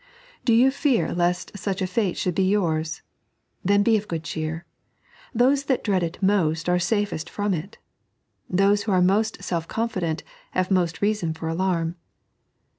Do you feer lest such a fate should be yours T Then be of good cheer. Those that dread it most are safest from it. Those who are most self confident have most reason for alarm.